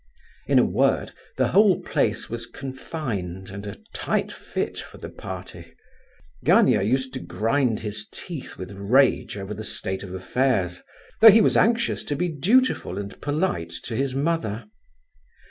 In a word, the whole place was confined, and a "tight fit" for the party. Gania used to grind his teeth with rage over the state of affairs; though he was anxious to be dutiful and polite to his mother.